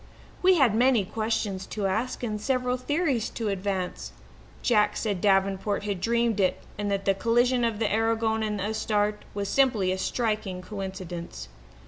We had many questions to ask and several theories to advance. Jack said Davenport had dreamed it and that the collision of the Aragon and the Astarte was simply a striking coincidence.